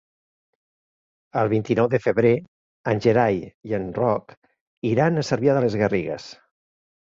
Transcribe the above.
El vint-i-nou de febrer en Gerai i en Roc iran a Cervià de les Garrigues.